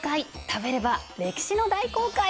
食べれば歴史の大航海！